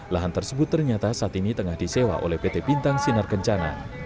lahan tersebut ternyata saat ini tengah disewa oleh pt bintang sinar kencana